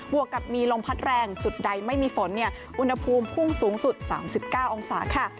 วกกับมีลมพัดแรงจุดใดไม่มีฝนอุณหภูมิพุ่งสูงสุด๓๙องศาค่ะ